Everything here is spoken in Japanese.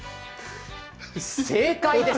正解です！